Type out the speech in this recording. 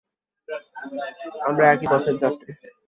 আমরা একই পথের যাত্রী।